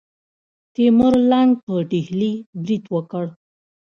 تیمور لنګ په ډیلي برید وکړ.